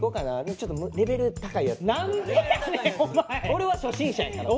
俺は初心者やから。